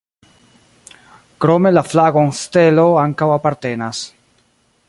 Krome la flagon stelo ankaŭ apartenas.